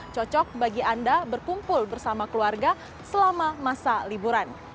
cocok bagi anda berkumpul bersama keluarga selama masa liburan